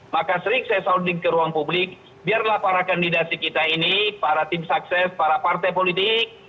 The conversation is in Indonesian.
maka sering saya sounding ke ruang publik biarlah para kandidasi kita ini para tim sukses para partai politik